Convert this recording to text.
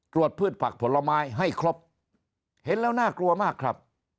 พืชผักผลไม้ให้ครบเห็นแล้วน่ากลัวมากครับ